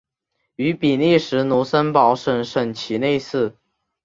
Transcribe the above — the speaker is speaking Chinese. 与比利时卢森堡省省旗类似。